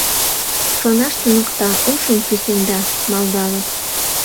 «Шонаш туныкта, ушым пӱсемда», — малдалыт.